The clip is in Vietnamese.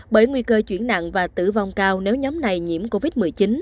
bởi nguy cơ chuyển nặng và tử vong cao nếu nhóm này nhiễm covid một mươi chín